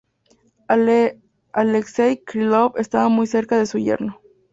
Alexey Krylov estaba muy cerca de su yerno.